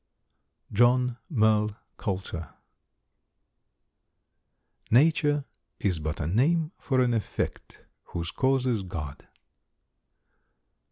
John Merle Coulter. Nature is but a name for an effect Whose cause is God.